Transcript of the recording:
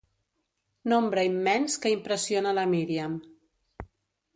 Nombre immens que impressiona la Míriam.